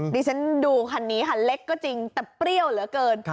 ดิฉันดูคันนี้ค่ะเล็กก็จริงแต่เปรี้ยวเหลือเกิน